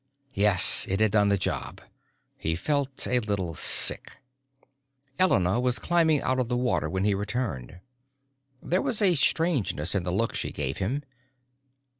Yes, it had done the job. He felt a little sick. Elena was climbing out of the water when he returned. There was a strangeness in the look she gave him.